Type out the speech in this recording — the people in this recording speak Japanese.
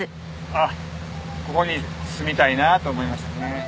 「あっここに住みたいな」と思いましたね。